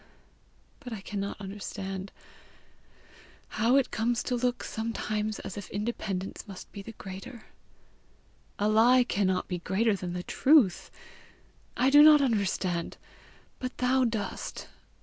But I cannot understand: how comes it to look sometimes as if independence must be the greater? A lie cannot be greater than the truth! I do not understand, but thou dost.